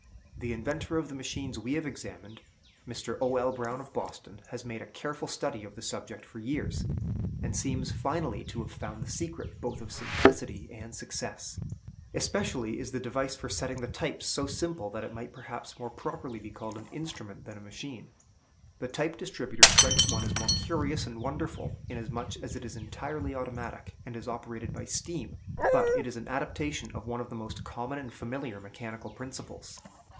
The inventor of the machines we have examined, Mr. O. L. Brown, of Boston, has made a careful study of the subject for years, and seems finally to have found the secret, both of simplicity and success. Especially is the device for setting the types so simple that it might perhaps more properly be called an instrument than a machine. The Type distributer strikes one as more curious and wonderful, inasmuch as it is entirely automatic, and is operated by steam; but it is an adaptation of one of the most common and familiar mechanical principles.